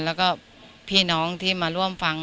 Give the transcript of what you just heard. แล้วก็พี่น้องที่มาร่วมฟัง